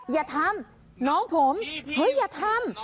อย่าทำน้องผมเฮ้ยอย่าทำ